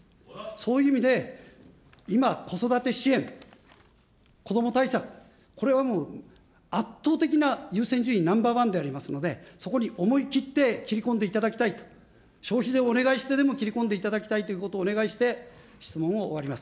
そういう意味で、今、子育て支援、こども対策、これはもう、圧倒的な優先順位ナンバーワンでありますので、そこに思い切って切り込んでいただきたいと、をお願いしてでも切り込んでいただきたいということをお願いして、質問を終わります。